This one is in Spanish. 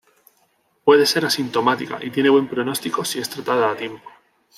Puede ser asintomática y tiene buen pronóstico si es tratada a tiempo.